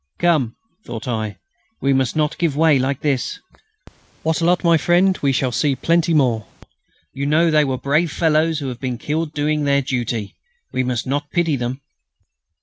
"Come!" thought I, "we must not give way like this." "Wattrelot, my friend, we shall see plenty more. You know, they were brave fellows who have been killed doing their duty. We must not pity them...."